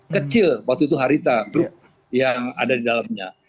kecil waktu itu harita group yang ada di dalamnya